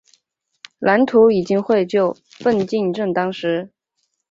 蓝图已经绘就，奋进正当时。